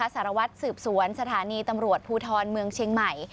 สารวัตรสืบสวนสถานีตำรวจภูทรเมืองเชียงใหม่